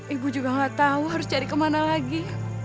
ibu juga gak tahu harus cari kemana lagi